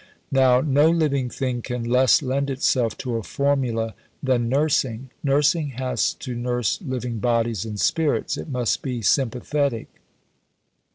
Now, no living thing can less lend itself to a formula than nursing. Nursing has to nurse living bodies and spirits. It must be sympathetic.